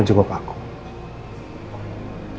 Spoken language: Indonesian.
ulang kilau dia